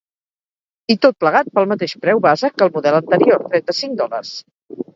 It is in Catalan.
I, tot plegat, pel mateix preu base que el model anterior: trenta-cinc dòlars.